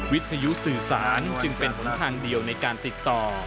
วิทยุสื่อสารจึงเป็นหนทางเดียวในการติดต่อ